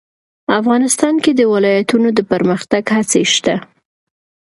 افغانستان کې د ولایتونو د پرمختګ هڅې شته.